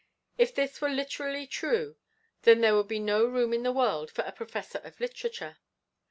If this were literally true then there would be no room in the world for a Professor of Literature.